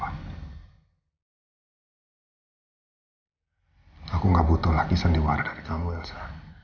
aku gak butuh laki laki sandiwara dari kamu elsa